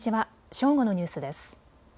正午のニュースです。